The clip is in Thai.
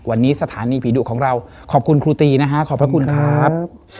วันนี้สถานีผีดุของเราขอบคุณครูตีนะฮะขอบพระคุณครับ